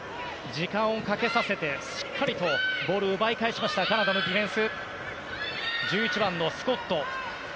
時間をかけさせてしっかりボールを奪い返したカナダのディフェンス。